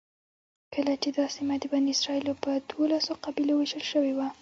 کله چې دا سیمه د بني اسرایلو په دولسو قبیلو وېشل شوې وه.